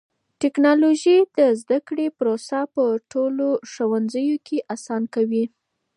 ټکنالوژي د زده کړې پروسه په ټولو ښوونځيو کې آسانه کوي.